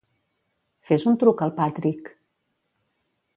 Fes un truc al Patrick.